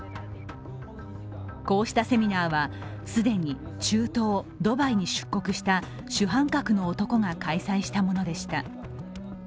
こうしたセミナーは既に中東・ドバイに出国した主犯格の男が開催したものでした。